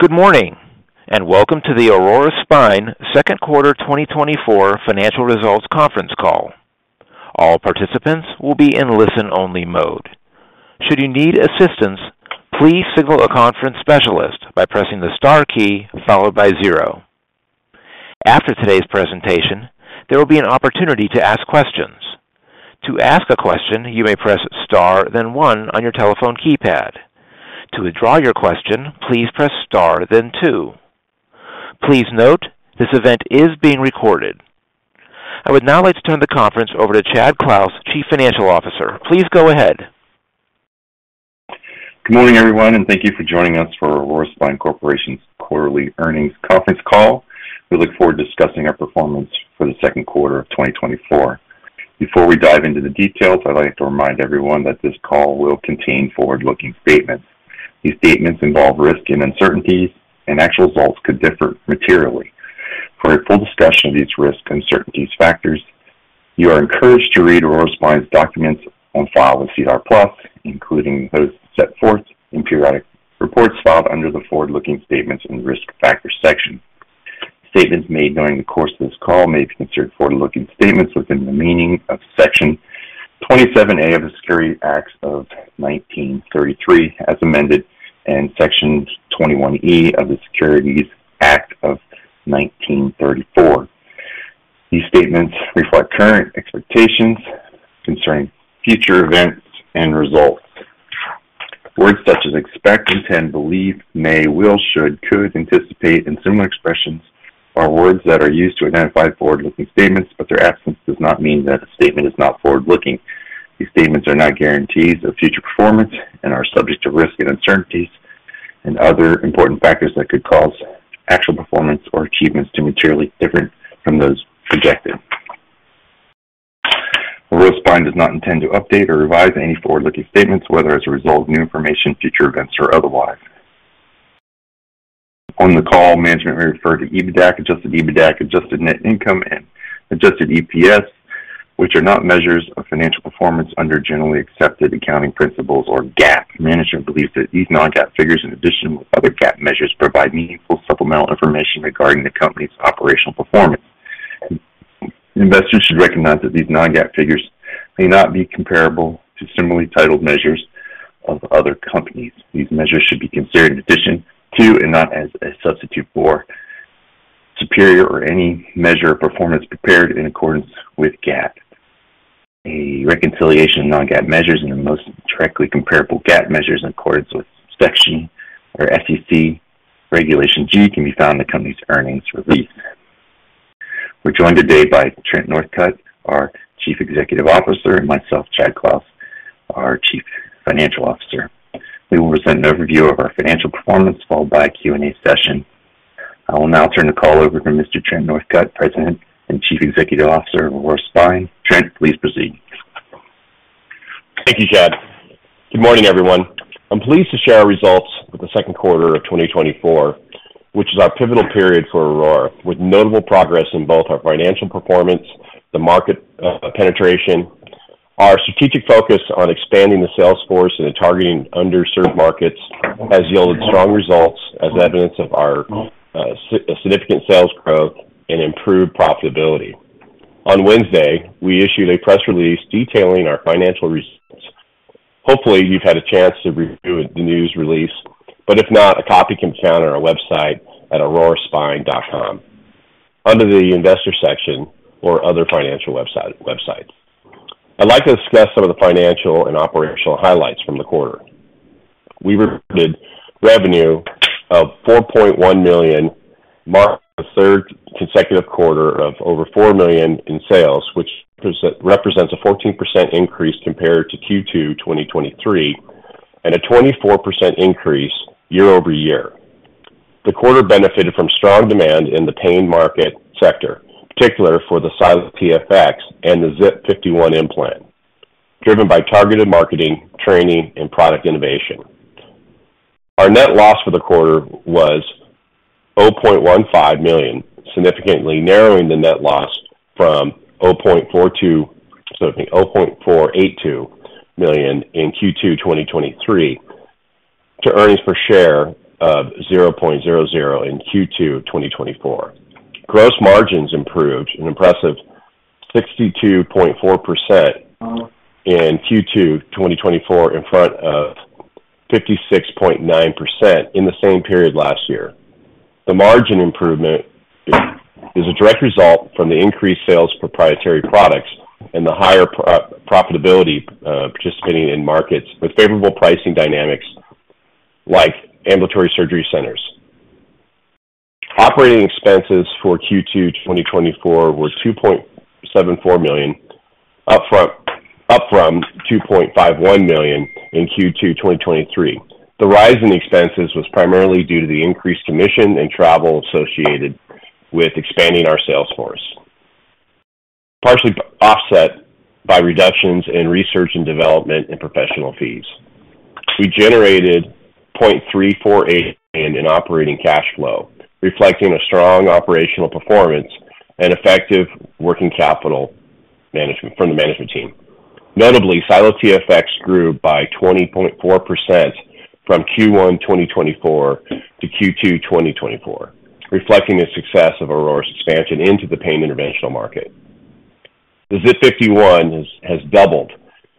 Good morning, and welcome to the Aurora Spine second quarter 2024 financial results conference call. All participants will be in listen-only mode. Should you need assistance, please signal a conference specialist by pressing the star key followed by zero. After today's presentation, there will be an opportunity to ask questions. To ask a question, you may press star, then one on your telephone keypad. To withdraw your question, please press star, then two. Please note, this event is being recorded. I would now like to turn the conference over to Chad Clouse, Chief Financial Officer. Please go ahead. Good morning, everyone, and thank you for joining us for Aurora Spine Corporation's quarterly earnings conference call. We look forward to discussing our performance for the second quarter of 2024. Before we dive into the details, I'd like to remind everyone that this call will contain forward-looking statements. These statements involve risks and uncertainties, and actual results could differ materially. For a full discussion of these risks and uncertainties factors, you are encouraged to read Aurora Spine's documents on file with SEDAR+, including those set forth in periodic reports filed under the forward-looking statements and risk factors section. Statements made during the course of this call may be considered forward-looking statements within the meaning of Section 27A of the Securities Act of 1933, as amended, and Section 21E of the Securities Exchange Act of 1934. These statements reflect current expectations concerning future events and results. Words such as expect, intend, believe, may, will, should, could, anticipate, and similar expressions are words that are used to identify forward-looking statements, but their absence does not mean that a statement is not forward-looking. These statements are not guarantees of future performance and are subject to risks and uncertainties and other important factors that could cause actual performance or achievements to materially differ from those projected. Aurora Spine does not intend to update or revise any forward-looking statements, whether as a result of new information, future events, or otherwise. On the call, management may refer to EBITDA, adjusted EBITDA, adjusted net income and adjusted EPS, which are not measures of financial performance under generally accepted accounting principles or GAAP. Management believes that these non-GAAP figures, in addition with other GAAP measures, provide meaningful supplemental information regarding the company's operational performance. Investors should recognize that these non-GAAP figures may not be comparable to similarly titled measures of other companies. These measures should be considered in addition to and not as a substitute for superior or any measure of performance prepared in accordance with GAAP. A reconciliation of non-GAAP measures and the most directly comparable GAAP measures in accordance with Section or SEC Regulation G can be found in the company's earnings release. We're joined today by Trent Northcutt, our Chief Executive Officer, and myself, Chad Clouse, our Chief Financial Officer. We will present an overview of our financial performance, followed by a Q&A session. I will now turn the call over to Mr. Trent Northcutt, President and Chief Executive Officer of Aurora Spine. Trent, please proceed. Thank you, Chad. Good morning, everyone. I'm pleased to share our results for the second quarter of twenty twenty-four, which is our pivotal period for Aurora, with notable progress in both our financial performance, the market, penetration. Our strategic focus on expanding the sales force and targeting underserved markets has yielded strong results as evidence of our significant sales growth and improved profitability. On Wednesday, we issued a press release detailing our financial results. Hopefully, you've had a chance to review the news release, but if not, a copy can be found on our website at auroraspine.com, under the investor section or other financial websites. I'd like to discuss some of the financial and operational highlights from the quarter. We recorded revenue of $4.1 million, marking the third consecutive quarter of over $4 million in sales, which represents a 14% increase compared to Q2 2023 and a 24% increase year over year. The quarter benefited from strong demand in the pain market sector, particularly for the SiLO TFX and the ZIP 51 implant, driven by targeted marketing, training, and product innovation. Our net loss for the quarter was $0.15 million, significantly narrowing the net loss from $0.482 million in Q2 2023 to earnings per share of $0.00 in Q2 2024. Gross margins improved an impressive 62.4% in Q2 2024, in front of 56.9% in the same period last year. The margin improvement is a direct result from the increased sales of proprietary products and the higher profitability, participating in markets with favorable pricing dynamics like ambulatory surgery centers. Operating expenses for Q2 2024 were $2.74 million, up from $2.51 million in Q2 2023. The rise in expenses was primarily due to the increased commission and travel associated with expanding our sales force, partially offset by reductions in research and development and professional fees. We generated $0.348 million in operating cash flow, reflecting a strong operational performance and effective working capital management from the management team. Notably, SiLO TFX grew by 20.4% from Q1 2024 to Q2 2024, reflecting the success of Aurora's expansion into the interventional pain market. The ZIP 51 has doubled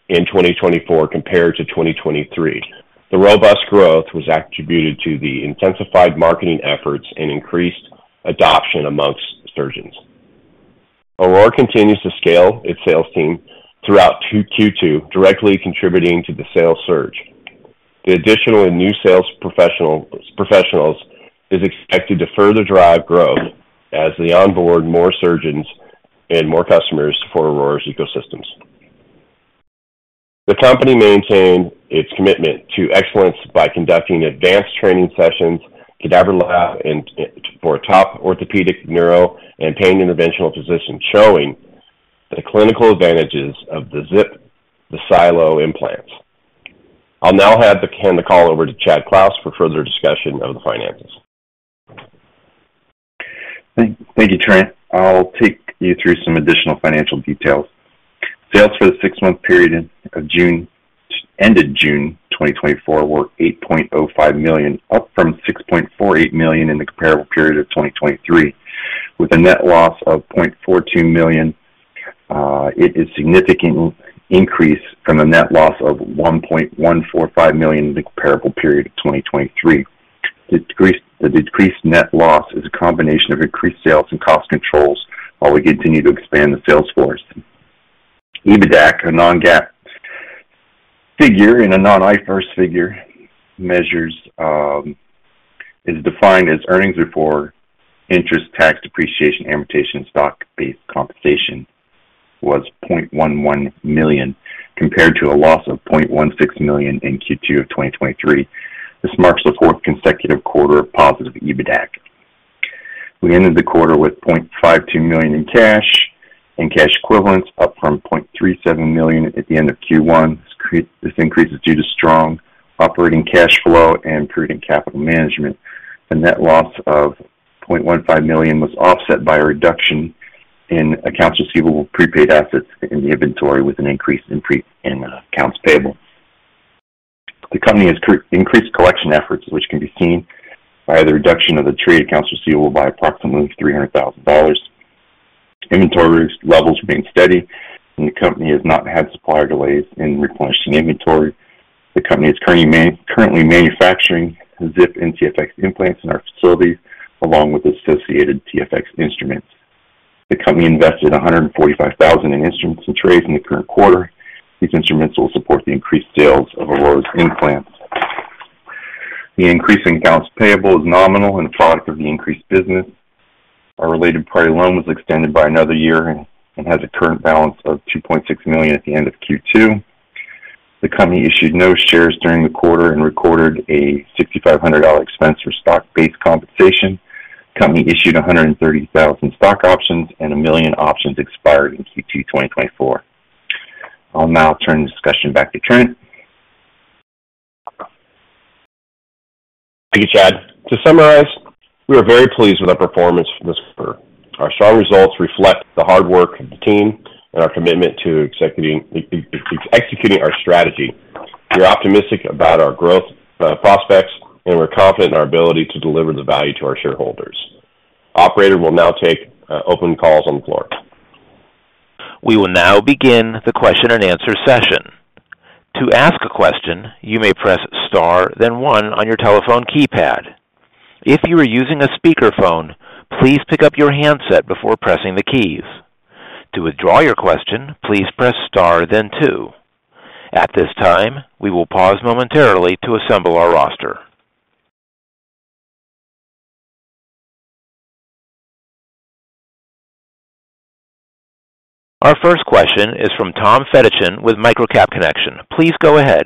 in 2024 compared to 2023. The robust growth was attributed to the intensified marketing efforts and increased adoption among surgeons. Aurora continues to scale its sales team throughout Q2, directly contributing to the sales surge. The additional and new sales professionals is expected to further drive growth as they onboard more surgeons and more customers for Aurora's ecosystems. The company maintained its commitment to excellence by conducting advanced training sessions, cadaver lab, and for top orthopedic, neuro, and pain interventional physicians, showing the clinical advantages of the ZIP, the SiLO implants. I'll now hand the call over to Chad Clouse for further discussion of the financials. Thank you, Trent. I'll take you through some additional financial details. Sales for the six-month period of June, ended June 2024, were $8.05 million, up from $6.48 million in the comparable period of 2023, with a net loss of $0.42 million. It is significant increase from a net loss of $1.145 million in the comparable period of 2023. The decreased net loss is a combination of increased sales and cost controls while we continue to expand the sales force. EBITDA, a non-GAAP figure and a non-IFRS figure, measures, is defined as earnings before interest, tax, depreciation, amortization, stock-based compensation, was $0.11 million, compared to a loss of $0.16 million in Q2 of 2023. This marks the fourth consecutive quarter of positive EBITDA. We ended the quarter with $0.52 million in cash and cash equivalents, up from $0.37 million at the end of Q1. This increase is due to strong operating cash flow and improving capital management. The net loss of $0.15 million was offset by a reduction in accounts receivable, prepaid assets and inventory, with an increase in accounts payable. The company has increased collection efforts, which can be seen by the reduction of the trade accounts receivable by approximately $300,000. Inventory levels have been steady, and the company has not had supplier delays in replenishing inventory. The company is currently manufacturing ZIP and TFX implants in our facilities, along with associated TFX instruments. The company invested $145,000 in instruments and trays in the current quarter. These instruments will support the increased sales of Aurora's implants. The increase in accounts payable is nominal and a product of the increased business. Our related party loan was extended by another year and has a current balance of $2.6 million at the end of Q2. The company issued no shares during the quarter and recorded a $6,500 expense for stock-based compensation. Company issued 130,000 stock options, and 1 million options expired in Q2 2024. I'll now turn the discussion back to Trent. Thank you, Chad. To summarize, we are very pleased with our performance from this quarter. Our strong results reflect the hard work of the team and our commitment to executing our strategy. We're optimistic about our growth prospects, and we're confident in our ability to deliver the value to our shareholders. Operator, we'll now take open calls on the floor. We will now begin the question-and-answer session. To ask a question, you may press star, then one on your telephone keypad. If you are using a speakerphone, please pick up your handset before pressing the keys. To withdraw your question, please press star then two. At this time, we will pause momentarily to assemble our roster. Our first question is from Tom Fedichin with MicroCap Connection. Please go ahead.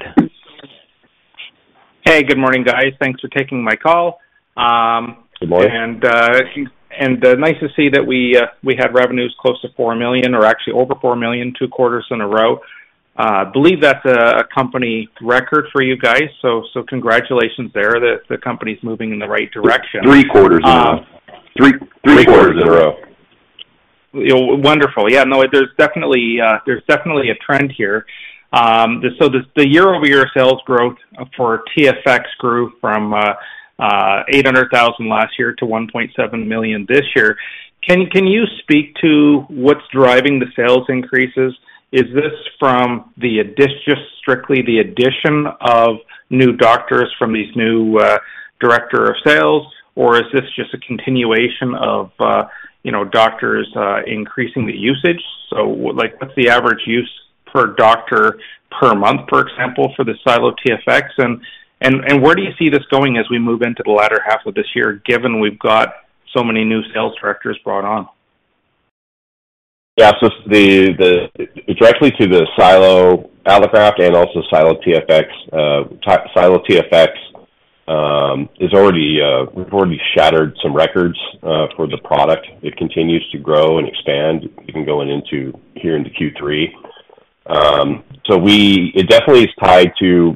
Hey, good morning, guys. Thanks for taking my call. Good morning. Nice to see that we had revenues close to $4 million, or actually over $4 million, two quarters in a row. I believe that's a company record for you guys, so congratulations there. The company's moving in the right direction. Three quarters in a row. Three, three quarters in a row. Wonderful. Yeah, no, there's definitely a trend here. So the year-over-year sales growth for TFX grew from $800,000 last year to $1.7 million this year. Can you speak to what's driving the sales increases? Is this from the addition, just strictly the addition of new doctors from these new director of sales? Or is this just a continuation of, you know, doctors increasing the usage? So, like, what's the average use per doctor per month, for example, for the SiLO TFX? And where do you see this going as we move into the latter half of this year, given we've got so many new sales directors brought on? Yeah, so directly to the SiLO Allograft and also SiLO TFX is already. We've already shattered some records for the product. It continues to grow and expand even going into here into Q3. So it definitely is tied to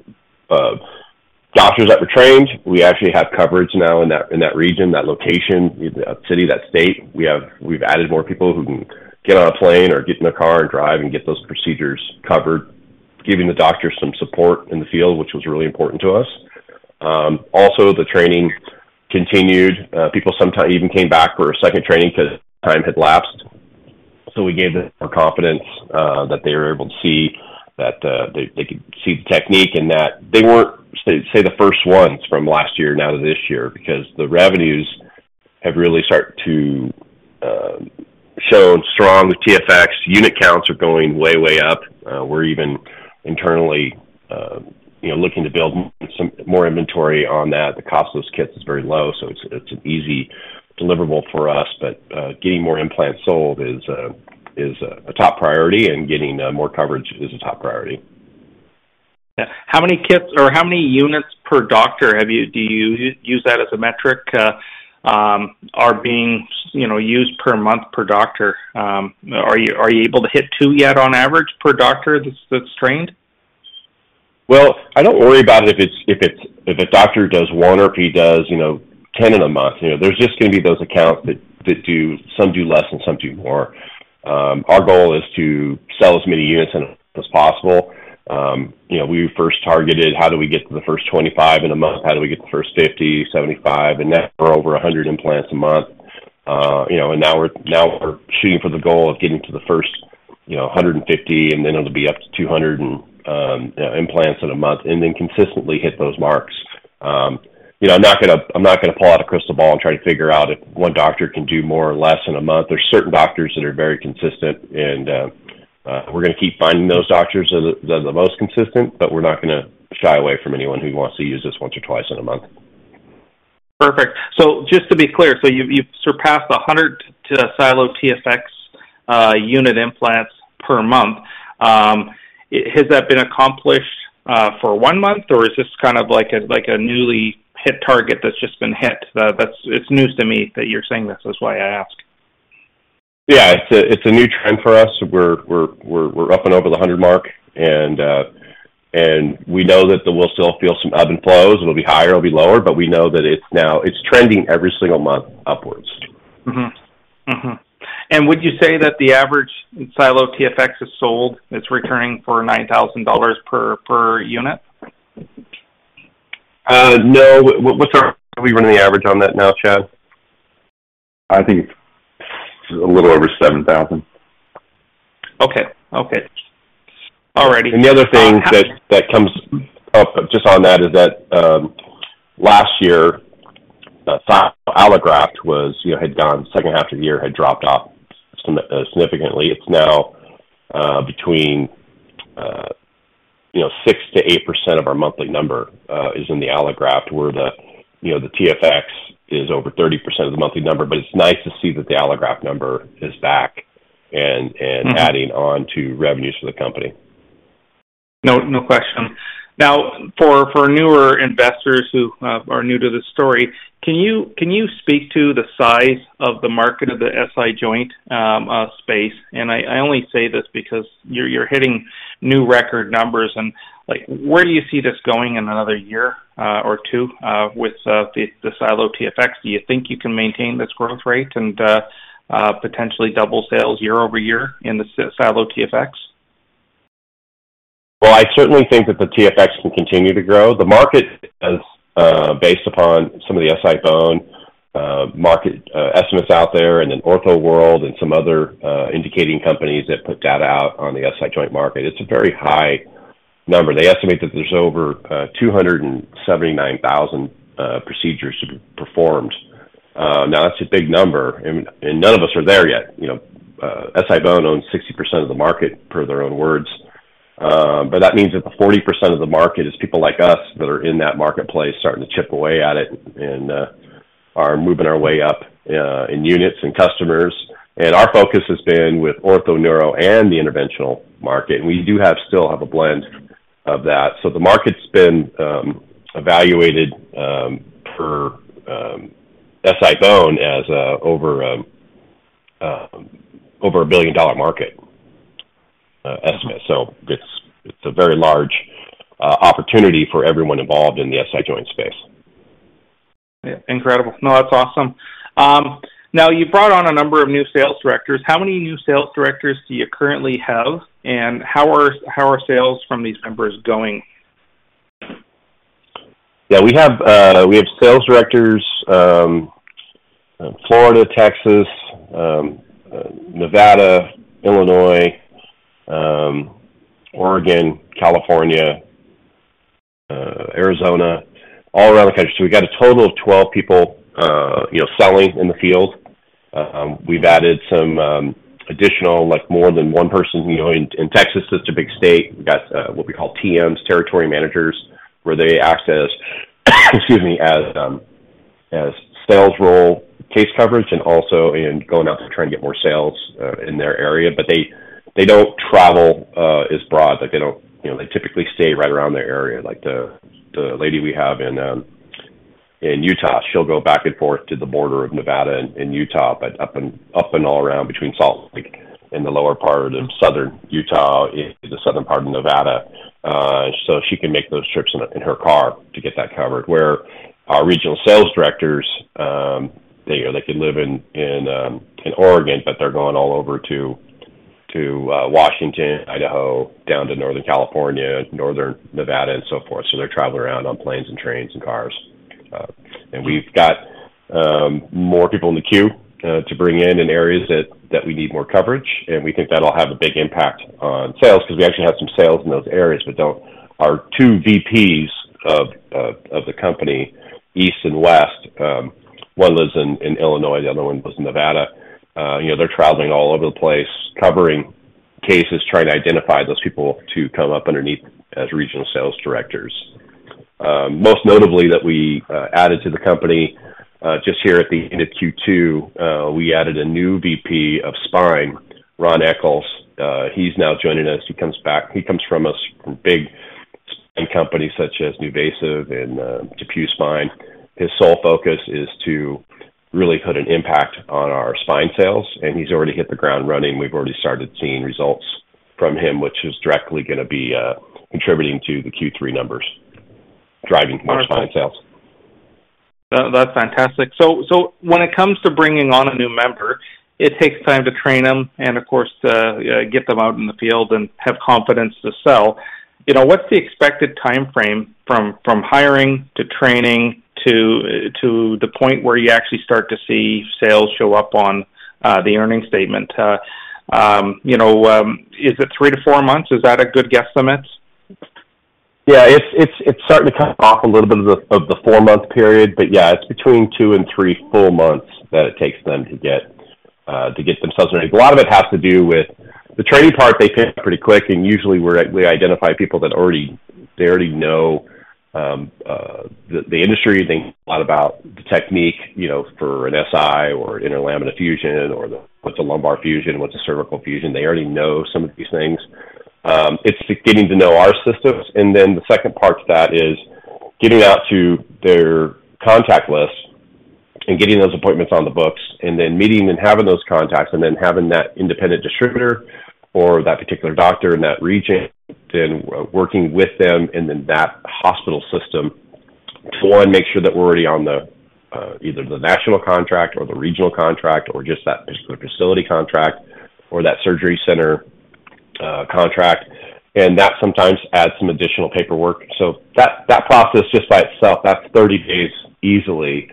doctors that were trained. We actually have coverage now in that region, that location, city, that state. We've added more people who can get on a plane or get in a car and drive and get those procedures covered, giving the doctor some support in the field, which was really important to us. Also, the training continued. People sometimes even came back for a second training because time had lapsed. So we gave them more confidence that they were able to see that they could see the technique and that they weren't say the first ones from last year now to this year, because the revenues have really started to show strong TFX. Unit counts are going way, way up. We're even internally, you know, looking to build some more inventory on that. The cost of those kits is very low, so it's an easy deliverable for us, but getting more implants sold is a top priority, and getting more coverage is a top priority. Yeah. How many kits or how many units per doctor do you use that as a metric, you know, are being used per month per doctor? Are you able to hit two yet on average per doctor that's trained? I don't worry about it if it's if a doctor does one or if he does, you know, 10 in a month. You know, there's just gonna be those accounts that do, some do less and some do more. Our goal is to sell as many units as possible. You know, we first targeted, how do we get to the first 25 in a month? How do we get the first 50, 75, and then we're over 100 implants a month. You know, and now we're shooting for the goal of getting to the first, you know, 150, and then it'll be up to 200 and implants in a month, and then consistently hit those marks. You know, I'm not gonna pull out a crystal ball and try to figure out if one doctor can do more or less in a month. There are certain doctors that are very consistent, and we're gonna keep finding those doctors that are the most consistent, but we're not gonna shy away from anyone who wants to use this once or twice in a month. Perfect. So just to be clear, so you've surpassed 100 SiLO TFX unit implants per month. Has that been accomplished for one month, or is this kind of like a newly hit target that's just been hit? That's news to me that you're saying this, that's why I asked. Yeah, it's a new trend for us. We're up and over the hundred mark, and we know that there we'll still feel some ebb and flows. It'll be higher, it'll be lower, but we know that it's now, it's trending every single month upwards. And would you say that the average SiLO TFX is sold, it's returning for $9,000 per unit? No. What's our, are we running the average on that now, Chad? I think it's a little over $7,000. Okay. All righty. And the other thing that comes up just on that is that, last year, the allograft was, you know, had gone second half of the year, had dropped off significantly. It's now between, you know, 6%-8% of our monthly number is in the allograft, where the, you know, the TFX is over 30% of the monthly number. But it's nice to see that the allograft number is back and adding on to revenues for the company. No, no question. Now, for newer investors who are new to the story, can you speak to the size of the market of the SI joint space? And I only say this because you're hitting new record numbers and, like, where do you see this going in another year or two with the SiLO TFX? Do you think you can maintain this growth rate and potentially double sales year over year in the SiLO TFX? I certainly think that the TFX will continue to grow. The market is based upon some of the SI-BONE market estimates out there in the ortho world and some other independent companies that put data out on the SI joint market. It's a very high number. They estimate that there's over 279,000 procedures performed. Now, that's a big number, and none of us are there yet. You know, SI-BONE owns 60% of the market, per their own words. But that means that the 40% of the market is people like us that are in that marketplace, starting to chip away at it and are moving our way up in units and customers. And our focus has been with ortho neuro and the interventional market. We do have still have a blend of that. So the market's been evaluated per SI-BONE as over a $1 billion market estimate. So it's a very large opportunity for everyone involved in the SI joint space. Yeah, incredible. No, that's awesome. Now, you brought on a number of new sales directors. How many new sales directors do you currently have, and how are sales from these members going? Yeah, we have sales directors, Florida, Texas, Nevada, Illinois, Oregon, California, Arizona, all around the country. So we've got a total of 12 people, you know, selling in the field. We've added some additional, like more than one person, you know, in Texas. It's a big state. We've got what we call TMs, territory managers, where they act as, excuse me, as sales role, case coverage, and also in going out to try and get more sales in their area. But they don't travel as broad. Like, they don't. You know, they typically stay right around their area, like the lady we have in Utah. She'll go back and forth to the border of Nevada and Utah, but up and all around between Salt Lake and the lower part of Southern Utah into the southern part of Nevada, so she can make those trips in her car to get that covered. Where our regional sales directors, they can live in Oregon, but they're going all over to Washington, Idaho, down to Northern California, Northern Nevada, and so forth, so they're traveling around on planes and trains and cars. And we've got more people in the queue to bring in in areas that we need more coverage, and we think that'll have a big impact on sales because we actually have some sales in those areas. Our two VPs of the company, east and west, one lives in Illinois, the other one lives in Nevada. You know, they're traveling all over the place, covering cases, trying to identify those people to come up underneath as regional sales directors. Most notably, that we added to the company just here at the end of Q2, we added a new VP of spine, Ron Eccles. He's now joining us. He comes from big spine companies such as NuVasive and DePuy Spine. His sole focus is to really put an impact on our spine sales, and he's already hit the ground running. We've already started seeing results from him, which is directly gonna be, contributing to the Q3 numbers, driving more spine sales. That's fantastic. So, so when it comes to bringing on a new member, it takes time to train them and, of course, get them out in the field and have confidence to sell. You know, what's the expected timeframe from hiring to training to the point where you actually start to see sales show up on the earnings statement? You know, is it three to four months? Is that a good guesstimate? Yeah, it's starting to come off a little bit of the four-month period, but yeah, it's between two and three full months that it takes them to get themselves ready. A lot of it has to do with the training part. They pick up pretty quick, and usually we identify people that already know the industry. They know a lot about the technique, you know, for an SI or an interlaminar fusion or what's a lumbar fusion, what's a cervical fusion. They already know some of these things. It's getting to know our systems, and then the second part to that is getting out to their contact list and getting those appointments on the books, and then meeting and having those contacts, and then having that independent distributor or that particular doctor in that region, then working with them and then that hospital system to, one, make sure that we're already on the either the national contract or the regional contract or just that specific facility contract or that surgery center contract, and that sometimes adds some additional paperwork. So that process just by itself, that's thirty days easily,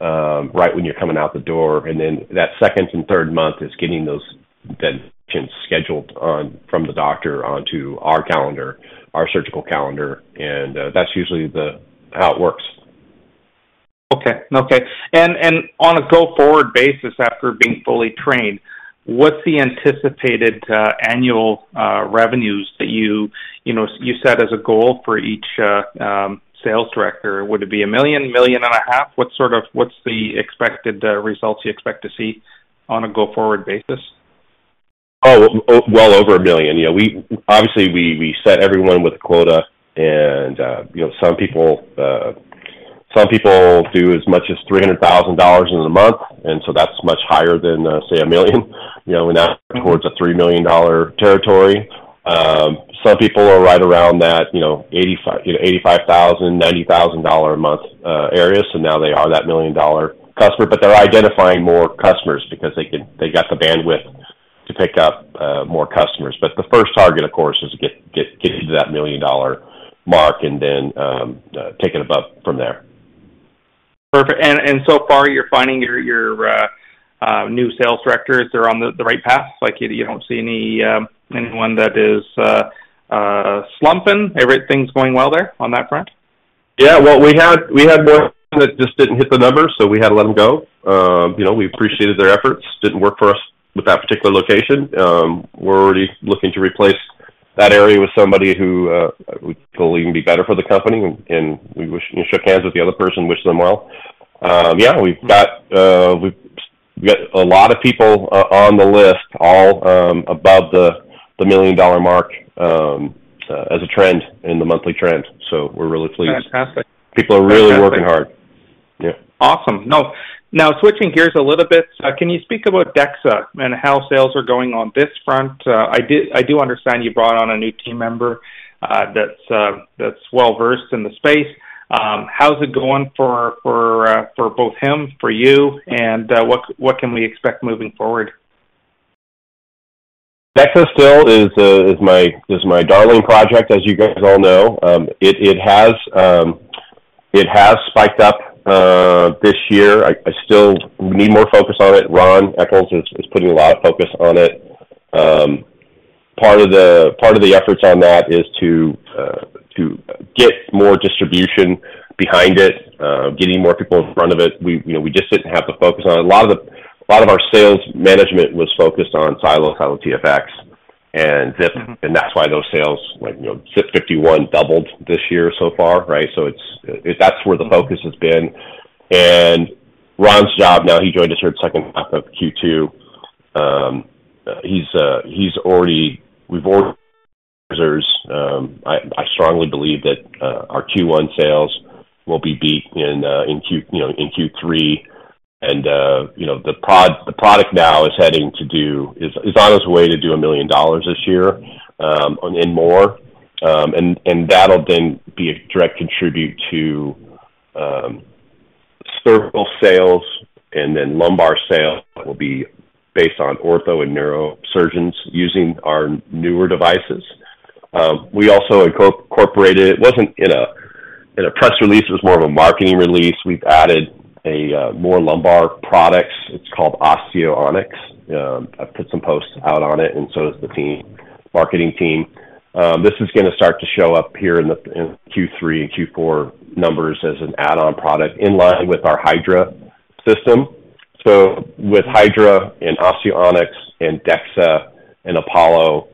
right when you're coming out the door, and then that second and third month is getting those patients scheduled on from the doctor onto our calendar, our surgical calendar, and that's usually the how it works. Okay. Okay. And on a go-forward basis, after being fully trained, what's the anticipated annual revenues that you, you know, you set as a goal for each sales director? Would it be a million, million and a half? What's the expected results you expect to see on a go-forward basis? Well over a million. Obviously, we set everyone with a quota, and you know, some people do as much as $300,000 in a month, and so that's much higher than say a million. You know, we're now towards a $3 million territory. Some people are right around that, you know, $85,000-$90,000 a month area, so now they are that million-dollar customer, but they're identifying more customers because they can they got the bandwidth to pick up more customers. But the first target, of course, is to get to that million-dollar mark and then take it above from there. Perfect. And so far, you're finding your new sales directors are on the right path? Like, you don't see anyone that is slumping? Everything's going well there on that front? Yeah. Well, we had more that just didn't hit the numbers, so we had to let them go. You know, we appreciated their efforts. Didn't work for us with that particular location. We're already looking to replace that area with somebody who we believe will be better for the company, and we shook hands with the other person, wished them well. Yeah, we've got a lot of people on the list, all above the million-dollar mark, as a trend in the monthly trend. So we're really pleased. Fantastic. People are really working hard. Yeah. Awesome. Now, switching gears a little bit, can you speak about DEXA and how sales are going on this front? I did, I do understand you brought on a new team member, that's well-versed in the space. How's it going for both him, for you, and what can we expect moving forward? DEXA still is my darling project, as you guys all know. It has spiked up this year. I still need more focus on it. Ron Eccles is putting a lot of focus on it. Part of the efforts on that is to get more distribution behind it, getting more people in front of it. We, you know, we just didn't have the focus on it. A lot of our sales management was focused on SiLO TFX and ZIP and that's why those sales, like, you know, ZIP 51 doubled this year so far, right? So it's, that's where the focus has been. And Ron's job now, he joined us here the second half of Q2. He's already. We've already. I strongly believe that our Q1 sales will be beat in in Q, you know, in Q3. And you know, the product now is on its way to do $1 million this year, and more. And that'll then be a direct contribute to cervical sales, and then Lumbar sales that will be based on ortho and neurosurgeons using our newer devices. We also incorporated, it wasn't in a press release, it was more of a marketing release. We've added more Lumbar products. It's called Osteo Onyx. I've put some posts out on it, and so has the team, marketing team. This is gonna start to show up here in Q3 and Q4 numbers as an add-on product, in line with our HYDRA system. So with HYDRA and Osteo Onyx, and DEXA, and Apollo,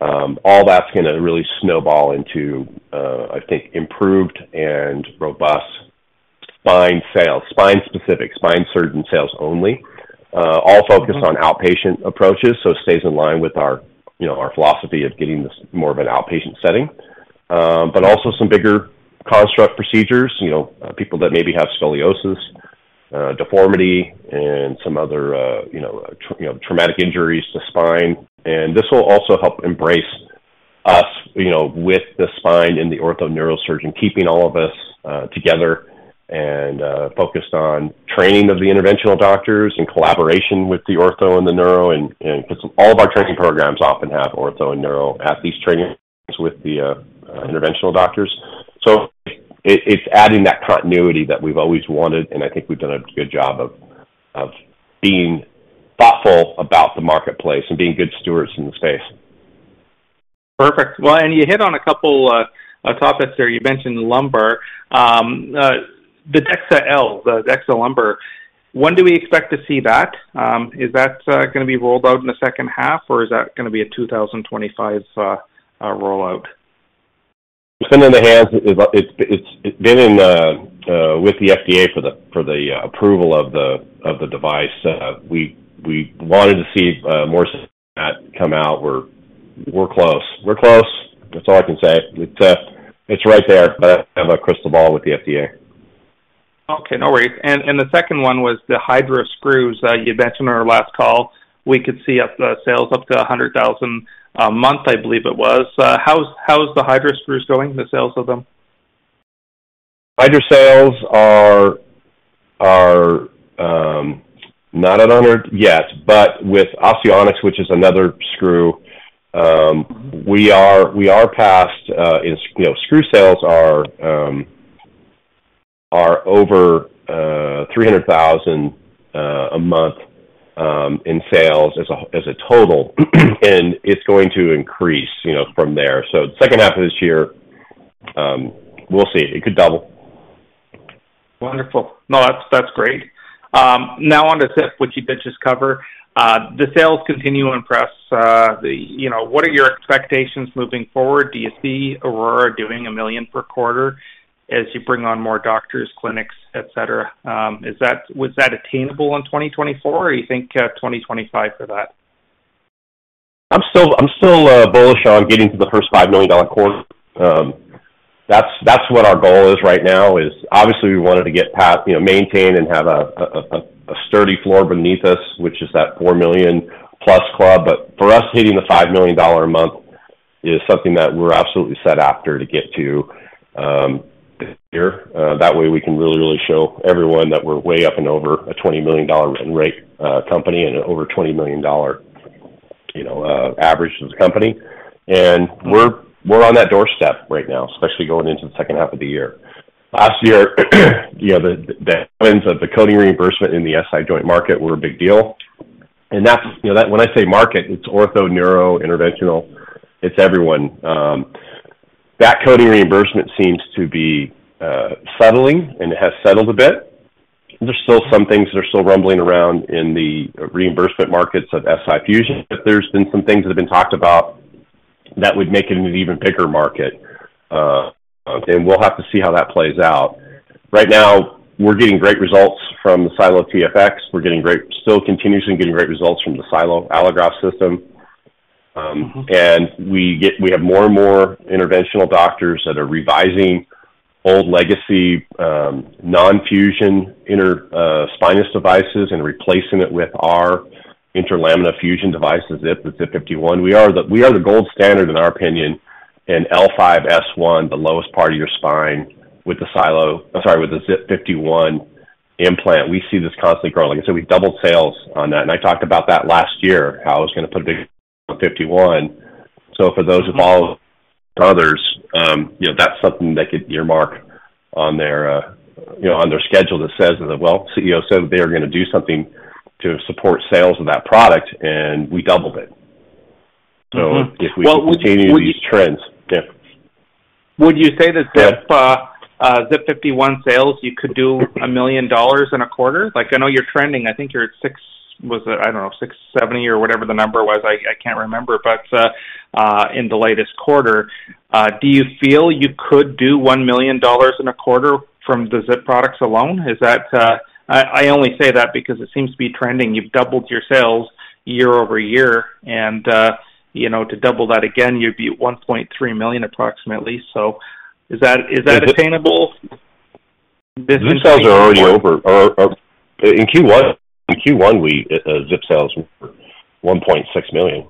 all that's gonna really snowball into, I think, improved and robust spine sales, spine specific, spine surgeon sales only. All focused on outpatient approaches, so it stays in line with our, you know, our philosophy of getting this more of an outpatient setting. But also some bigger construct procedures, you know, people that maybe have scoliosis, deformity, and some other, you know, traumatic injuries to the spine. And this will also help embrace us, you know, with the spine and the ortho neurosurgeon, keeping all of us together and focused on training of the interventional doctors, in collaboration with the ortho and the neuro, and all of our training programs often have ortho and neuro at these trainings with the interventional doctors. So it's adding that continuity that we've always wanted, and I think we've done a good job of being thoughtful about the marketplace and being good stewards in the space. Perfect. Well, and you hit on a couple topics there. You mentioned Lumbar. The DEXA-L, the DEXA Lumbar, when do we expect to see that? Is that gonna be rolled out in the second half, or is that gonna be a 2025 rollout? It's been in the hands with the FDA for the approval of the device. We wanted to see more of that come out. We're close. That's all I can say. It's right there, but I don't have a crystal ball with the FDA. Okay, no worries. And the second one was the HYDRA screws you mentioned on our last call. We could see the sales up to $100,000 a month, I believe it was. How's the HYDRA screws going, the sales of them? HYDRA sales are not at $100 yet, but with Osteo Onyx, which is another screw, we are past, you know, screw sales are over $300,000 a month in sales as a total, and it's going to increase, you know, from there. Second half of this year, we'll see. It could double. Wonderful. No, that's, that's great. Now on to ZIP, which you did just cover. The sales continue to impress. You know, what are your expectations moving forward? Do you see Aurora doing $1 million per quarter as you bring on more doctors, clinics, et cetera? Is that... was that attainable in 2024, or you think, 2025 for that? I'm still bullish on getting to the first $5 million quarter. That's what our goal is right now, is obviously we wanted to get past, you know, maintain and have a sturdy floor beneath us, which is that $4 million plus club. But for us, hitting the $5 million a month is something that we're absolutely set after to get to, here. That way, we can really show everyone that we're way up and over a $20 million run rate, company and an over $20 million, you know, average as a company, and we're on that doorstep right now, especially going into the second half of the year. Last year, you know, the ends of the coding reimbursement in the SI joint market were a big deal, and that's, you know, that when I say market, it's ortho, neuro, interventional, it's everyone. That coding reimbursement seems to be settling, and it has settled a bit. There's still some things that are still rumbling around in the reimbursement markets of SI Fusion, but there's been some things that have been talked about that would make it an even bigger market. And we'll have to see how that plays out. Right now, we're getting great results from the SiLO TFX. We're still continuously getting great results from the SiLO Allograft system. And we have more and more interventional doctors that are revising old legacy non-fusion interspinous devices and replacing it with our interlaminar fusion device, the ZIP 51. We are the gold standard, in our opinion, in L5-S1, the lowest part of your spine with the SiLO, I'm sorry, with the ZIP 51 implant. We see this constantly growing. Like I said, we've doubled sales on that, and I talked about that last year, how I was gonna put a big 51. So for those of all others, you know, that's something they could earmark on their, you know, on their schedule that says that, "Well, CEO said that they were gonna do something to support sales of that product, and we doubled it. So if we continue these trends, yeah. Would you say that ZIP 51 sales, you could do $1 million in a quarter? Like, I know you're trending, I think you're at six seventy, was it? I don't know, six seventy or whatever the number was. I can't remember, but in the latest quarter. Do you feel you could do $1 million in a quarter from the ZIP products alone? Is that? I only say that because it seems to be trending. You've doubled your sales year over year, and you know, to double that again, you'd be at $1.3 million approximately. So is that attainable? ZIP sales are already over. Or, in Q1, we ZIP sales were $1.6 million.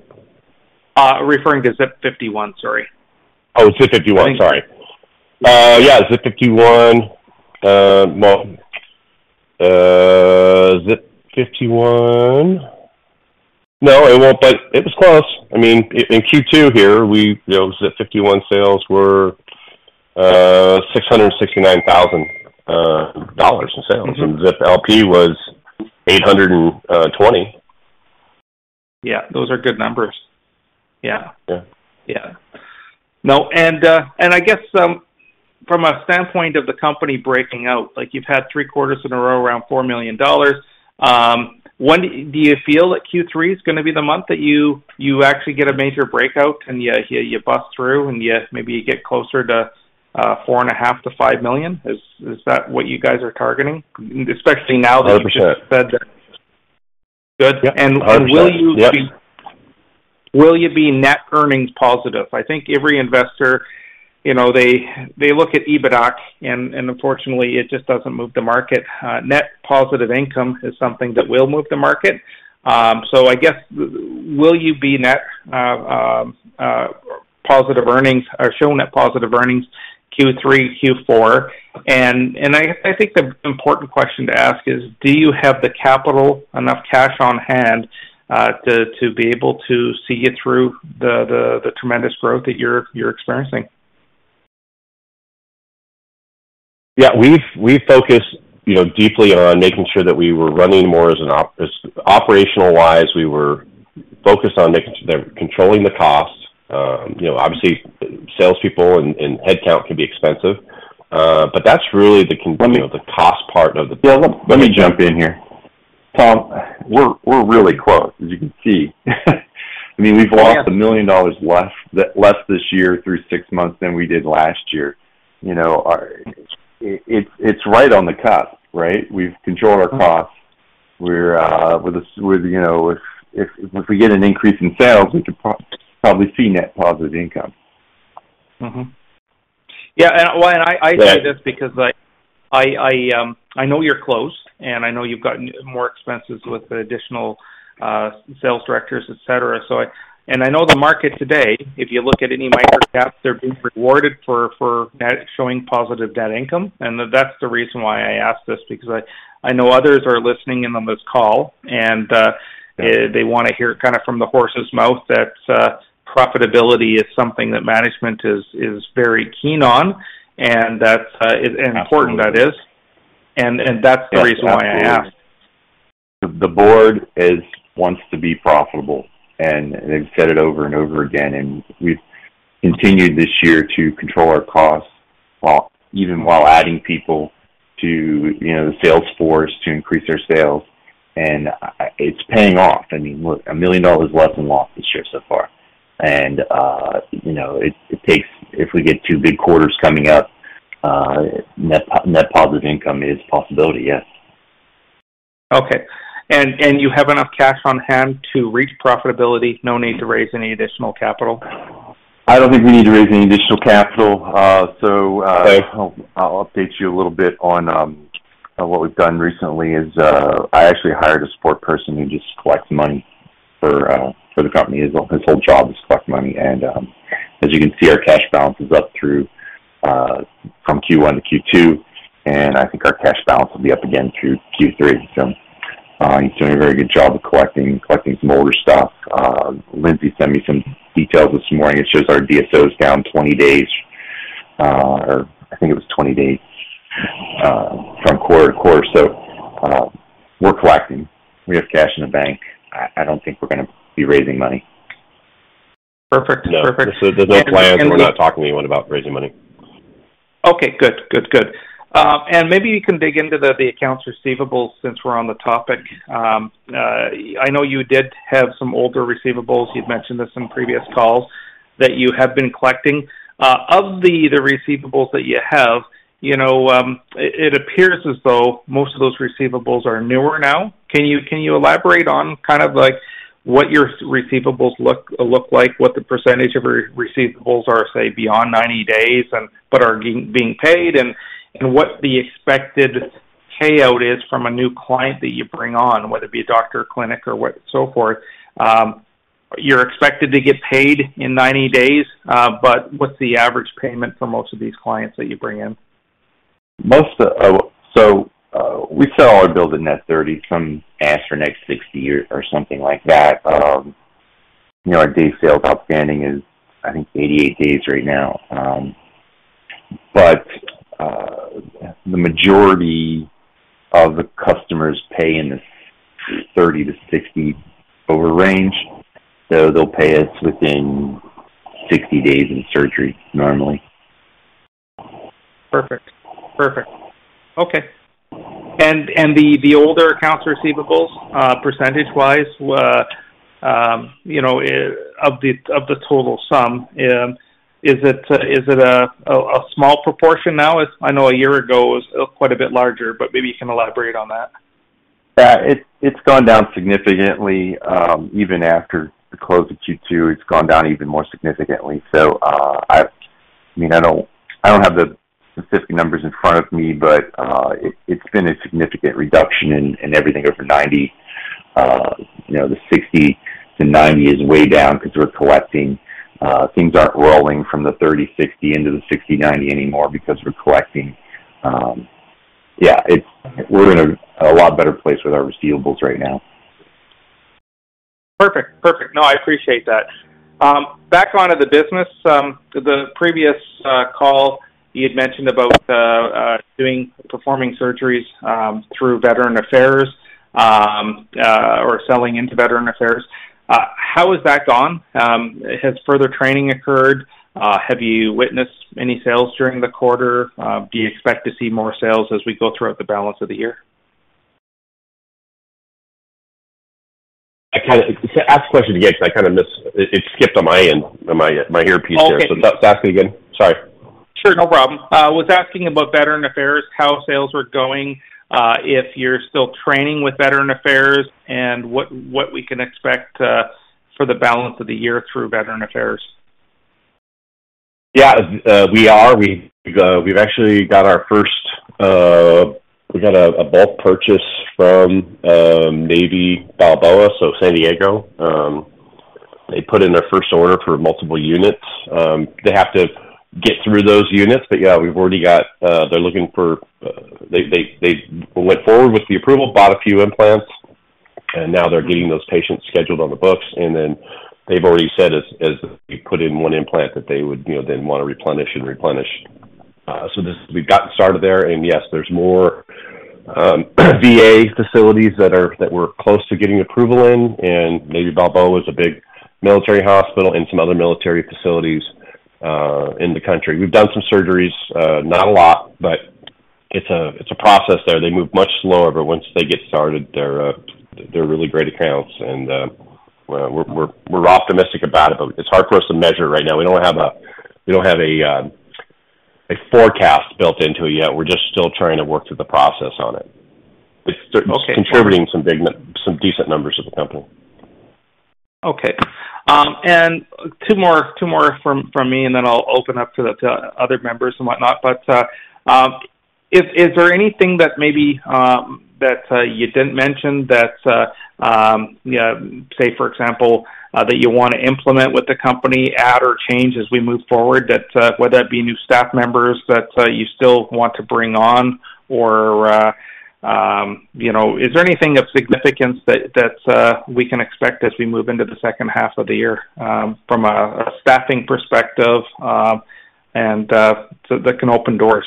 Referring to ZIP 51, sorry. Oh, ZIP 51. Sorry. Yeah, ZIP 51, well, ZIP 51. No, it won't, but it was close. I mean, in Q2 here, we, you know, ZIP 51 sales were $669,000 in sales, and ZIP LP was $820. Yeah, those are good numbers. Yeah. No, and, and I guess, from a standpoint of the company breaking out, like, you've had three quarters in a row around $4 million. When do you feel that Q3 is gonna be the month that you actually get a major breakout and you bust through, and you maybe get closer to $4.5-$5 million? Is that what you guys are targeting, especially now that- 100% Will you be net earnings positive? I think every investor, you know, they look at EBITDA, and unfortunately, it just doesn't move the market. Net positive income is something that will move the market. So I guess will you be net positive earnings or show net positive earnings Q3, Q4? And I think the important question to ask is: Do you have the capital, enough cash on hand, to be able to see you through the tremendous growth that you're experiencing? Yeah, we've focused, you know, deeply on making sure that we were running more operational-wise. We were focused on making sure that controlling the cost. You know, obviously, salespeople and headcount can be expensive, but that's really the con- Tom, we're really close, as you can see. I mean, we've lost $1 million less this year through six months than we did last year. You know, it's right on the cusp, right? We've controlled our costs. We're with you know, if we get an increase in sales, we could probably see net positive income. Mm-hmm. Yeah, well, I say this because I know you're close, and I know you've got more expenses with the additional sales directors, et cetera, and I know the market today, if you look at any microcaps, they're being rewarded for showing positive net income, and that's the reason why I ask this, because I know others are listening in on this call, and they want to hear kind of from the horse's mouth that profitability is something that management is very keen on, and that's important that is. And that's the reason why I asked. The board wants to be profitable, and they've said it over and over again, and we've continued this year to control our costs while even while adding people to, you know, the sales force to increase their sales, and it's paying off. I mean, look, $1 million less in loss this year so far. You know, it takes. If we get two big quarters coming up, net positive income is a possibility, yes. Okay. And you have enough cash on hand to reach profitability, no need to raise any additional capital? I don't think we need to raise any additional capital. I'll update you a little bit on what we've done recently is, I actually hired a support person who just collects money for the company. His whole job is collect money, and as you can see, our cash balance is up through from Q1 to Q2, and I think our cash balance will be up again through Q3. So, he's doing a very good job of collecting some older stuff. Lindsay sent me some details this morning. It shows our DSO is down twenty days, or I think it was twenty days, from quarter to quarter. So, we're collecting. We have cash in the bank. I don't think we're gonna be raising money. Perfect. Perfect. So there's no plans, and we're not talking to anyone about raising money. Okay, good, good, good. And maybe you can dig into the accounts receivables since we're on the topic. I know you did have some older receivables. You've mentioned this in previous calls, that you have been collecting. Of the receivables that you have, you know, it appears as though most of those receivables are newer now. Can you elaborate on kind of like what your receivables look like, what the percentage of your receivables are, say, beyond ninety days and but are being paid, and what the expected payout is from a new client that you bring on, whether it be a doctor, clinic or what, so forth? You're expected to get paid in ninety days, but what's the average payment for most of these clients that you bring in? Most of, so, we set all our bills at net thirty, some ask for net sixty or, or something like that. You know, our Days Sales Outstanding is, I think, 88 days right now. But, the majority of the customers pay in the 30- to 60-day range, so they'll pay us within 60 days of surgery, normally.... Perfect. Perfect. Okay. And the older accounts receivables, percentage-wise, you know, of the total sum, is it a small proportion now? As I know, a year ago, it was quite a bit larger, but maybe you can elaborate on that. Yeah, it's gone down significantly, even after the close of Q2, it's gone down even more significantly. So, I mean, I don't have the specific numbers in front of me, but, it's been a significant reduction in everything over ninety. You know, the sixty to ninety is way down because we're collecting, things aren't rolling from the thirty/sixty into the sixty/ninety anymore because we're collecting. Yeah, it's we're in a lot better place with our receivables right now. Perfect. Perfect. No, I appreciate that. Back onto the business. The previous call, you had mentioned about doing performing surgeries through Veterans Affairs or selling into Veterans Affairs. How has that gone? Has further training occurred? Have you witnessed any sales during the quarter? Do you expect to see more sales as we go throughout the balance of the year? Ask the question again, 'cause I kind of missed it. It skipped on my end, on my earpiece there. Okay. So ask me again. Sorry. Sure, no problem. I was asking about Veterans Affairs, how sales were going, if you're still training with Veterans Affairs and what we can expect for the balance of the year through Veterans Affairs. Yeah, we are. We, we've actually got our first, we got a bulk purchase from Navy Balboa, so San Diego. They put in their first order for multiple units. They have to get through those units, but yeah, we've already got. They're looking for, they went forward with the approval, bought a few implants, and now they're getting those patients scheduled on the books. And then they've already said, as they put in one implant, that they would, you know, then want to replenish and replenish. So this, we've gotten started there, and yes, there's more, VA facilities that we're close to getting approval in, and Navy Balboa is a big military hospital and some other military facilities, in the country. We've done some surgeries, not a lot, but it's a process there. They move much slower, but once they get started, they're really great accounts, and we're optimistic about it, but it's hard for us to measure right now. We don't have a forecast built into it yet. We're just still trying to work through the process on it. It's contributing some decent numbers to the company. Okay. And two more from me, and then I'll open up to the other members and whatnot. But is there anything that maybe you didn't mention, say for example, that you want to implement with the company, add or change as we move forward, whether that be new staff members that you still want to bring on? Or you know, is there anything of significance that we can expect as we move into the second half of the year from a staffing perspective, and so that can open doors?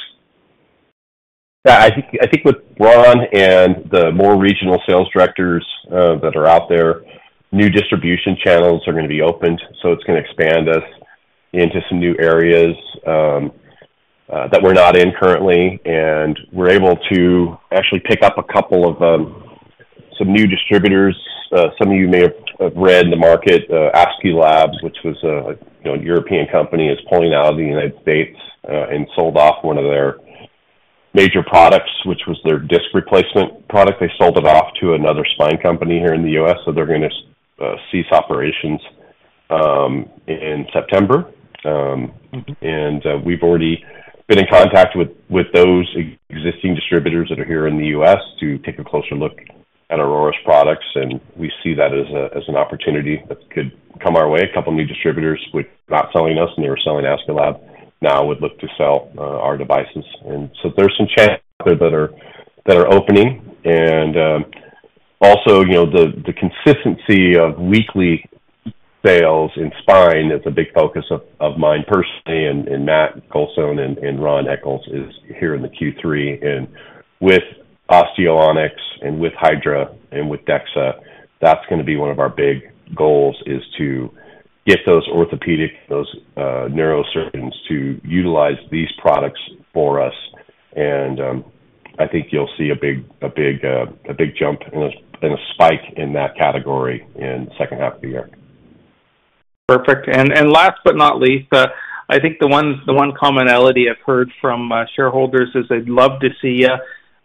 Yeah, I think, I think with Ron and the more regional sales directors that are out there, new distribution channels are gonna be opened, so it's gonna expand us into some new areas that we're not in currently. And we're able to actually pick up a couple of some new distributors. Some of you may have read in the market Aesculap, which was a, you know, European company, is pulling out of the United States and sold off one of their major products, which was their disc replacement product. They sold it off to another spine company here in the U.S., so they're gonna cease operations in September. And, we've already been in contact with those existing distributors that are here in the U.S. to take a closer look at Aurora's products, and we see that as an opportunity that could come our way. A couple of new distributors were not selling us, and they were selling Aesculap, now would look to sell our devices. And so there's some chances there that are opening. And, also, you know, the consistency of weekly sales in spine is a big focus of mine personally and Matt Colson and Ron Eccles is here in the Q3. And with Osteo Onyx and with HYDRA and with DEXA, that's gonna be one of our big goals, is to get those orthopedic, those neurosurgeons to utilize these products for us. I think you'll see a big jump and a spike in that category in the second half of the year. Perfect. And last but not least, I think the one commonality I've heard from shareholders is they'd love to see you,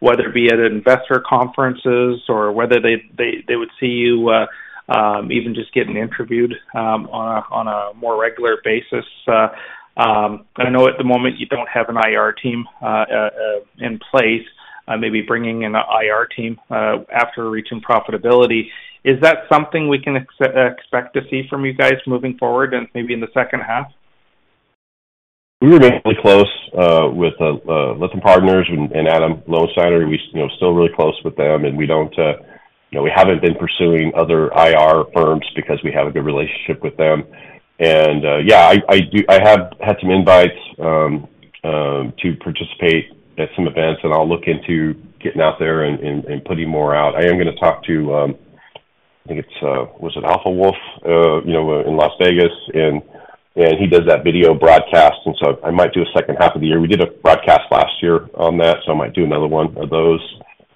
whether it be at investor conferences or whether they would see you, even just getting interviewed, on a more regular basis. I know at the moment you don't have an IR team in place, maybe bringing in an IR team after reaching profitability. Is that something we can expect to see from you guys moving forward and maybe in the second half? We were really close with Lytham Partners and Adam Lowensteiner. We, you know, still really close with them, and we don't, you know, we haven't been pursuing other IR firms because we have a good relationship with them. And, yeah, I have had some invites to participate at some events, and I'll look into getting out there and putting more out. I am gonna talk to I think it's was it Alpha Wolf, you know, in Las Vegas, and he does that video broadcast, and so I might do a second half of the year. We did a broadcast last year on that, so I might do another one of those,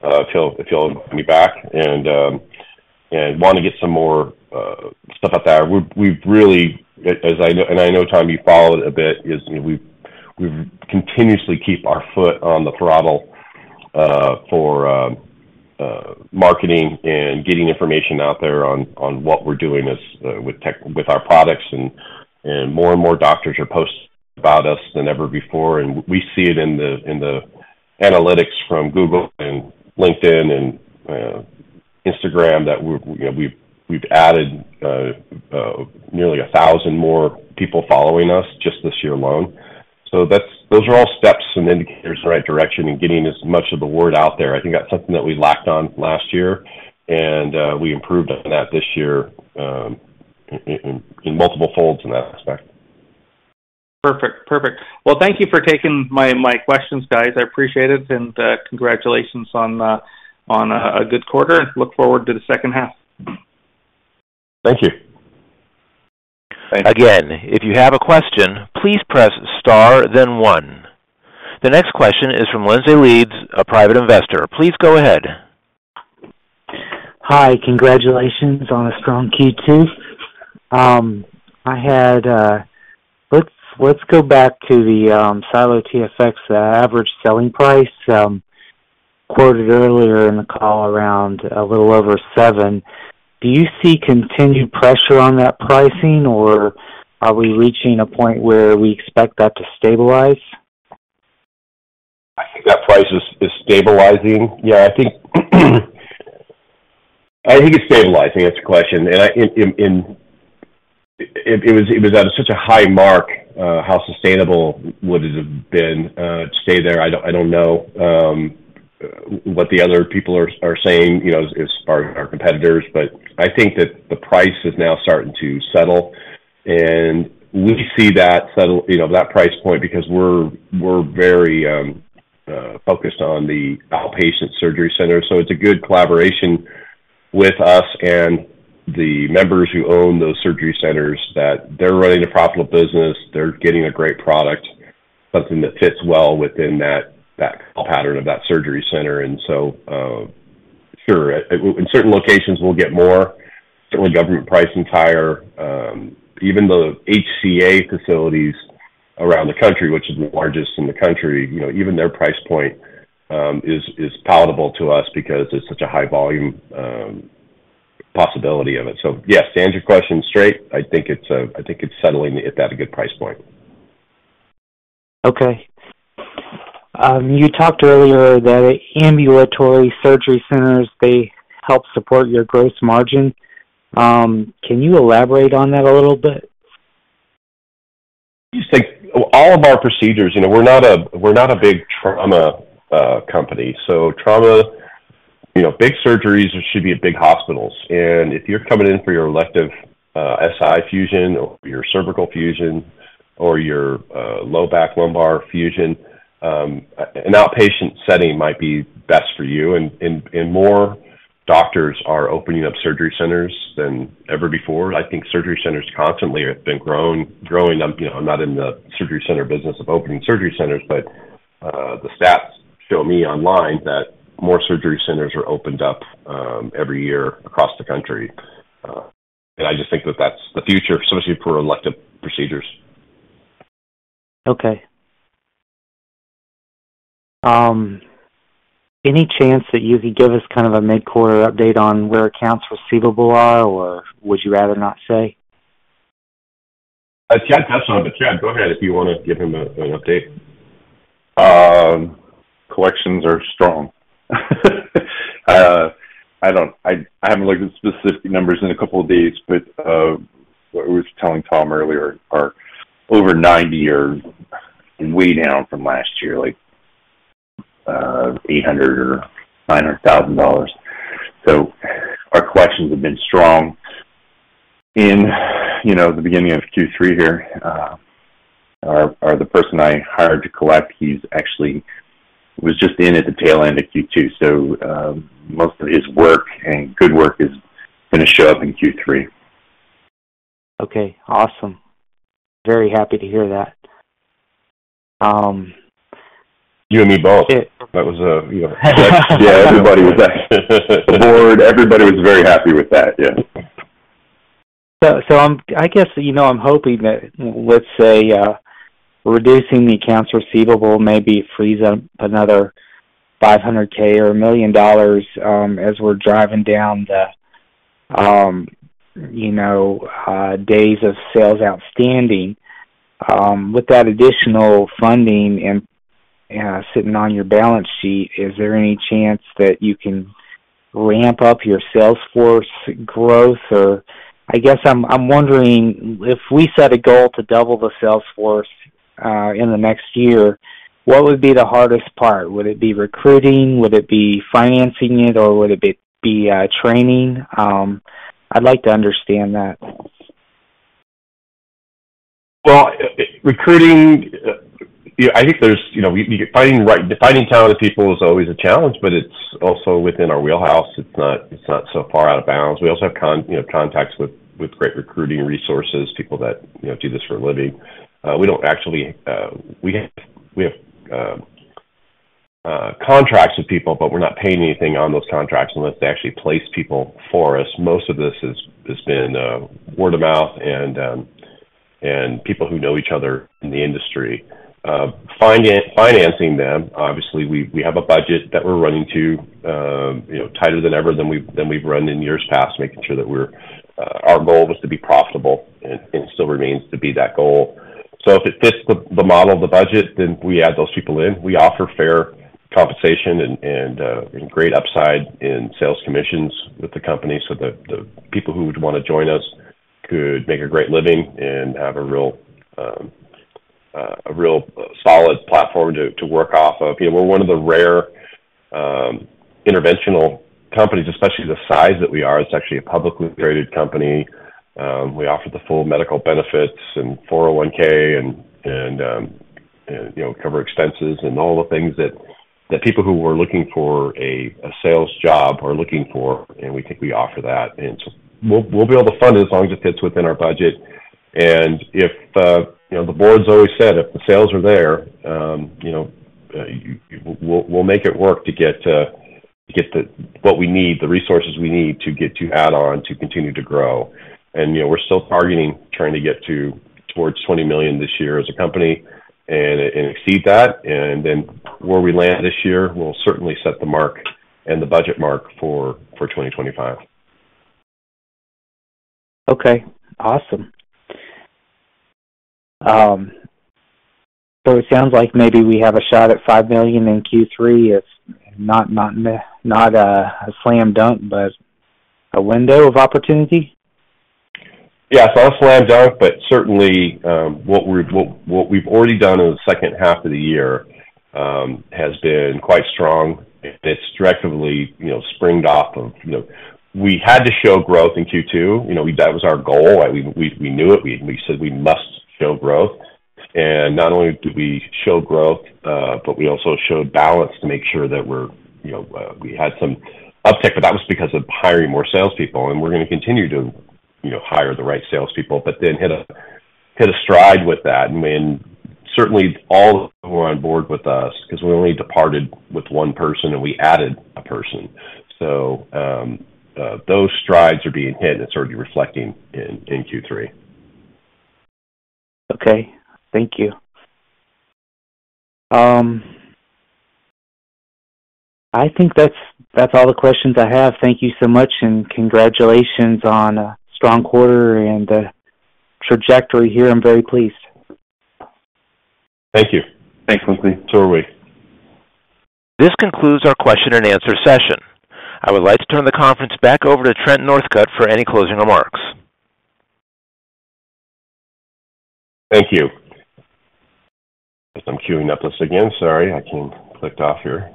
if he'll have me back. And want to get some more stuff out there. We've really, as I know, and I know, Tom, you followed it a bit, is we've continuously keep our foot on the throttle for marketing and getting information out there on what we're doing as with our products. And more and more doctors are posting about us than ever before, and we see it in the analytics from Google and LinkedIn and Instagram, that we're, you know, we've added nearly a thousand more people following us just this year alone. So that's... Those are all steps and indicators in the right direction and getting as much of the word out there. I think that's something that we lacked on last year, and we improved on that this year, in multiple folds in that respect. Perfect. Perfect. Thank you for taking my, my questions, guys. I appreciate it, and congratulations on a, a good quarter, and look forward to the second half. Thank you. Again, if you have a question, please press Star, then one. The next question is from Lindsay Leeds, a private investor. Please go ahead. Hi. Congratulations on a strong Q2. Let's go back to the SiLO TFX average selling price quoted earlier in the call around a little over seven. Do you see continued pressure on that pricing, or are we reaching a point where we expect that to stabilize? I think that price is stabilizing. Yeah, I think it's stabilizing. That's the question, and it was at such a high mark, how sustainable would it have been to stay there? I don't know what the other people are saying, you know, as far as our competitors, but I think that the price is now starting to settle, and we see that settle, you know, that price point because we're very focused on the outpatient surgery center. So it's a good collaboration with us and the members who own those surgery centers, that they're running a profitable business, they're getting a great product, something that fits well within that pattern of that surgery center. And so, sure, in certain locations, we'll get more. Certainly, government pricing higher. Even the HCA facilities around the country, which is the largest in the country, you know, even their price point, is palatable to us because it's such a high volume, possibility of it. So yes, to answer your question straight, I think it's settling at that a good price point. Okay. You talked earlier that ambulatory surgery centers, they help support your gross margin. Can you elaborate on that a little bit? I think all of our procedures, you know, we're not a big trauma company. So trauma, you know, big surgeries should be at big hospitals, and if you're coming in for your elective SI fusion or your cervical fusion or your low back lumbar fusion, an outpatient setting might be best for you. And more doctors are opening up surgery centers than ever before. I think surgery centers constantly have been grown, growing up. You know, I'm not in the surgery center business of opening surgery centers, but the stats show me online that more surgery centers are opened up every year across the country. And I just think that that's the future, especially for elective procedures. Okay. Any chance that you could give us kind of a mid-quarter update on where accounts receivable are, or would you rather not say? Chad, that's on. Chad, go ahead, if you want to give him an update. Collections are strong. I don't... I haven't looked at specific numbers in a couple of days, but what we were telling Tom earlier are over 90 days and way down from last year, like $800,000-$900,000. So our collections have been strong. In, you know, the beginning of Q3 here, our, or the person I hired to collect, he's actually was just in at the tail end of Q2, so most of his work and good work is going to show up in Q3. Okay, awesome. Very happy to hear that. You and me both. That was, yeah, everybody was happy. The board, everybody was very happy with that. Yeah. I guess, you know, I'm hoping that, let's say, reducing the accounts receivable maybe frees up another $500,000 or $1 million, as we're driving down the days sales outstanding. With that additional funding sitting on your balance sheet, is there any chance that you can ramp up your sales force growth? Or I guess I'm wondering, if we set a goal to double the sales force in the next year, what would be the hardest part? Would it be recruiting? Would it be financing it, or would it be training? I'd like to understand that.... Well, recruiting, I think there's, you know, finding talented people is always a challenge, but it's also within our wheelhouse. It's not, it's not so far out of bounds. We also have, you know, contacts with great recruiting resources, people that, you know, do this for a living. We don't actually, we have contracts with people, but we're not paying anything on those contracts unless they actually place people for us. Most of this has been word of mouth and people who know each other in the industry. Financing them, obviously, we have a budget that we're running to, you know, tighter than ever than we've run in years past, making sure that we're... Our goal was to be profitable and still remains to be that goal. So if it fits the model of the budget, then we add those people in. We offer fair compensation and great upside in sales commissions with the company so that the people who would want to join us could make a great living and have a real solid platform to work off of. You know, we're one of the rare interventional companies, especially the size that we are. It's actually a publicly traded company. We offer the full medical benefits and 401(k) and you know, cover expenses and all the things that people who are looking for a sales job are looking for, and we think we offer that. We'll be able to fund it as long as it fits within our budget. If you know, the board's always said, if the sales are there, you know, we'll make it work to get the—what we need, the resources we need to add on, to continue to grow. You know, we're still targeting trying to get towards $20 million this year as a company and exceed that. Then where we land this year, we'll certainly set the mark and the budget mark for 2025. Okay, awesome. So it sounds like maybe we have a shot at $5 million in Q3. It's not a slam dunk, but a window of opportunity? Yes, not a slam dunk, but certainly what we've already done in the second half of the year has been quite strong. It's directly, you know, sprung off of. You know, we had to show growth in Q2. You know, that was our goal. We knew it. We said we must show growth. And not only did we show growth, but we also showed balance to make sure that we're, you know, we had some uptick, but that was because of hiring more salespeople, and we're going to continue to, you know, hire the right salespeople, but then hit a stride with that. I mean, certainly all who are on board with us, because we only departed with one person, and we added a person. So, those strides are being hit and it's already reflecting in Q3. Okay. Thank you. I think that's, that's all the questions I have. Thank you so much, and congratulations on a strong quarter and trajectory here. I'm very pleased. Thank you. Thanks, Lindsay. So are we. This concludes our question and answer session. I would like to turn the conference back over to Trent Northcutt for any closing remarks. Thank you. As I'm queuing up this again, sorry, I came, clicked off here.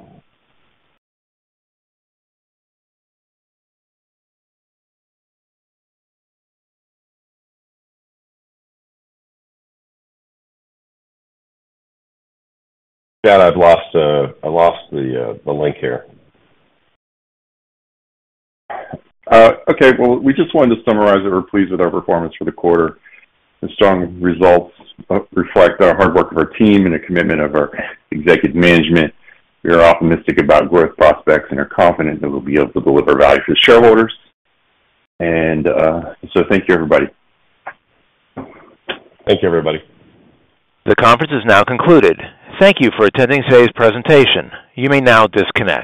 Yeah, I've lost the link here. Okay. Well, we just wanted to summarize that we're pleased with our performance for the quarter. The strong results reflect the hard work of our team and the commitment of our executive management. We are optimistic about growth prospects and are confident that we'll be able to deliver value to the shareholders. And, so thank you, everybody. Thank you, everybody. The conference is now concluded. Thank you for attending today's presentation. You may now disconnect.